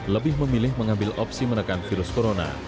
lebih memilih mengambil opsi menekan virus corona